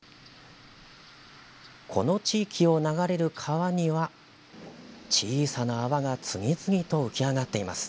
この地域を流れる川には小さな泡が次々と浮き上がっています。